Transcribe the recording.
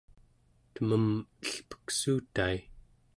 temem elpeksuutai